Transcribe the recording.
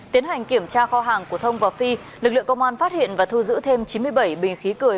tiến hành kiểm tra kho hàng của thông và phi lực lượng công an phát hiện và thu giữ thêm chín mươi bảy bình khí cười